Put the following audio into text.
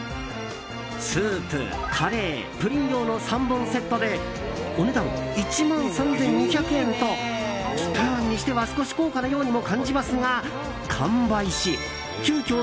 スープ、カレー、プリン用の３本セットでお値段１万３２００円とスプーンにしては少し高価なようにも感じますが完売し急きょ